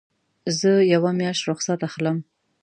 زه یوه میاشت رخصت اخلم.